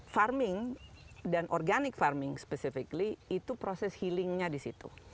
farming dan farming organik spesifik itu proses healing nya di situ